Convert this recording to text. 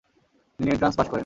তিনি entrance pass করেন।